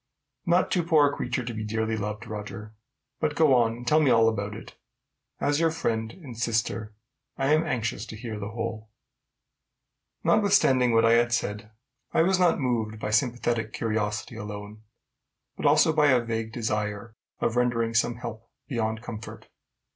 "Not too poor a creature to be dearly loved, Roger. But go on and tell me all about it. As your friend and sister, I am anxious to hear the whole." Notwithstanding what I had said, I was not moved by sympathetic curiosity alone, but also by the vague desire of rendering some help beyond comfort.